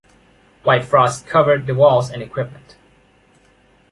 White frost covered the walls and equipment.